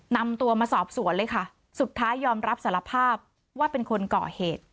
นำตัวมาสอบสวนเลยค่ะสุดท้ายยอมรับสารภาพว่าเป็นคนก่อเหตุ